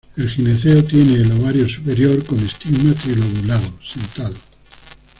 El gineceo tiene el ovario súpero con estigma trilobulado, sentado.